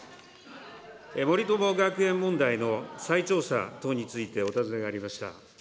森友学園問題の再調査等についてお尋ねがありました。